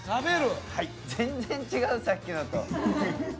全然違うさっきのと。